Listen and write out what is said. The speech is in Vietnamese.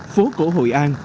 phố cổ hội an